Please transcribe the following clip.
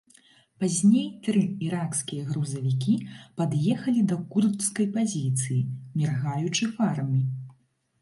Пазней тры іракскія грузавікі пад'ехалі да курдскай пазіцыі, міргаючы фарамі.